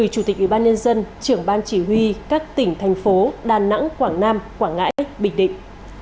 chủ tịch ủy ban nhân dân trưởng ban chỉ huy các tỉnh thành phố đà nẵng quảng nam quảng ngãi bình định